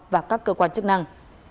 và các cơ quan chức năng